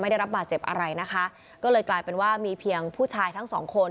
ได้รับบาดเจ็บอะไรนะคะก็เลยกลายเป็นว่ามีเพียงผู้ชายทั้งสองคน